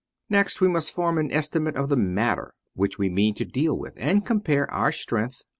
Next we must form an estimate of the matter which we mean to deal with, and compare our strength CH.